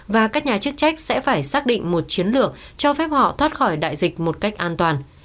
và các nhà chức trách sẽ phải xác định một chiến lược cho phép họ thoát khỏi đại dịch một cách an toàn